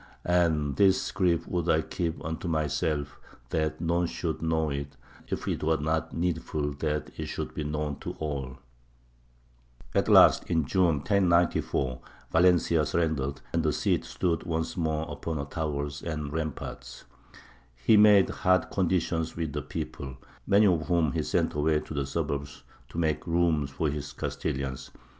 "And this grief would I keep unto myself that none should know it, if it were not needful that it should be known to all." At last, in June, 1094, Valencia surrendered, and the Cid stood once more upon her towers and ramparts. He made hard conditions with the people, many of whom he sent away to the suburbs to make room for his Castilians.